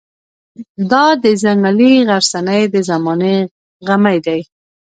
دا د ځنګلي غرڅنۍ د زمانې غمی دی.